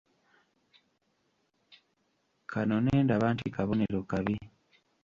Kano ne ndaba nti kabonero kabi.